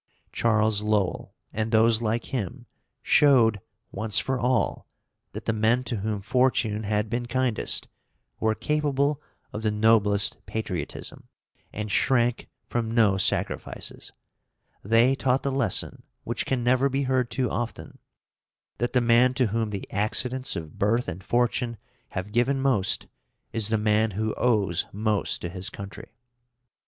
Charles Lowell, and those like him, showed, once for all, that the men to whom fortune had been kindest were capable of the noblest patriotism, and shrank from no sacrifices. They taught the lesson which can never be heard too often that the man to whom the accidents of birth and fortune have given most is the man who owes most to his country.